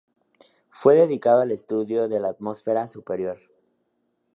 Fue dedicado al estudio de la atmósfera superior.